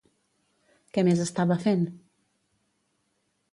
Què més estava fent?